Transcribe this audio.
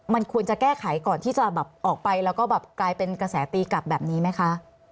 มันควรจะแก้ไขก่อนที่จะแบบออกไปแล้วก็แบบกลายเป็นกระแสตีกลับแบบนี้ไหมคะ